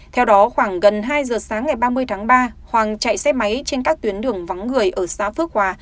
theo đó khoảng gần hai giờ sáng ngày ba mươi tháng ba hoàng chạy xe máy trên các tuyến đường vắng người ở xã phước hòa